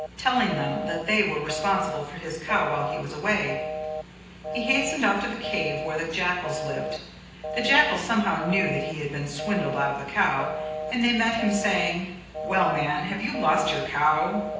Telling them that they were responsible for his cow while he was away, he hastened off to the cave where the jackals lived. The jackals somehow knew that he had been swindled out of the cow, and they met him saying "Well, man, have you lost your cow?"